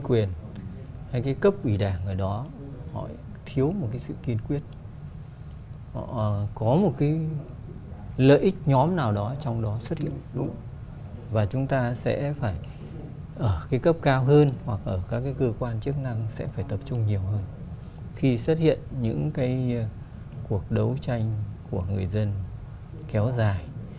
cái cấp ủy đảng ở đó thiếu một sự kiên quyết có một lợi ích nhóm nào đó trong đó xuất hiện và chúng ta sẽ phải ở cấp cao hơn hoặc ở các cơ quan chức năng sẽ phải tập trung nhiều hơn khi xuất hiện những cuộc đấu tranh của người dân kéo dài